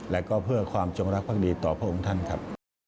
และก็เพื่อความจงรักภักดีต่อพระองค์ท่านครับ